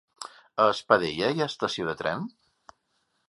A Espadella hi ha estació de tren?